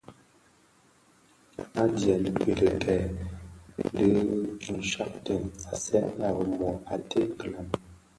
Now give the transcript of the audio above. Adyèm i dhikèn dü di nshaaktèn; Asèn a Rimoh a ted kilami.